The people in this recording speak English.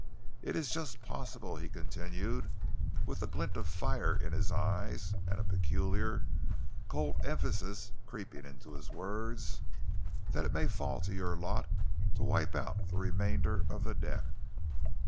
It is just possible," he continued, with a glint of fire in his eyes and a peculiar, cold emphasis creeping into his words, "that it may fall to your lot to wipe out the remainder of the debt."